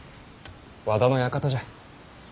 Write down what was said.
和田の館じゃ。